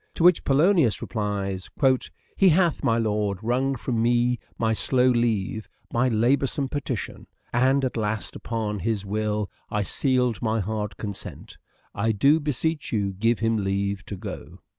To which Polonius replies :" He hath, my lord, wrung from me my slow leave By laboursome petition, and at last Upon his will I seal'd my hard consent : I do beesech you, give him leave to go."